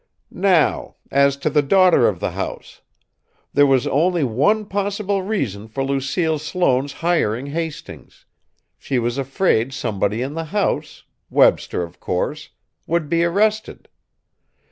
"Now, as to the daughter of the house. There was only one possible reason for Lucille Sloane's hiring Hastings: she was afraid somebody in the house, Webster, of course, would be arrested.